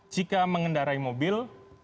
jika mengendarai mobil